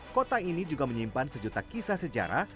kota ini juga menyimpan sejuta kisah sejarah